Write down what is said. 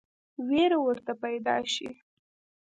وېره ورته پیدا شي.